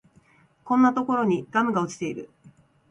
こんなところにガムが落ちてる